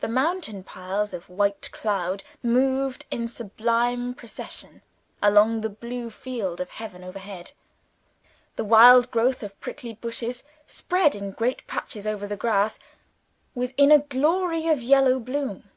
The mountain piles of white cloud moved in sublime procession along the blue field of heaven, overhead. The wild growth of prickly bushes, spread in great patches over the grass, was in a glory of yellow bloom.